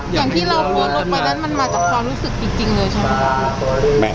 อย่างที่เราโพสต์ลงไปนั้นมันมาจากความรู้สึกจริงเลยใช่ไหม